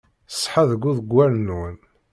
Ṣṣeḥa deg uḍeggal-nwen.